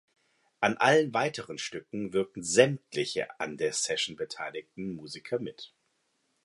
An allen weiteren Stücke wirkten sämtliche an der Session beteiligten Musiker mit.